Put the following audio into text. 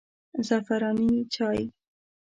زعفراني چای